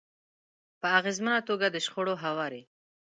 -په اغیزمنه توګه د شخړو هواری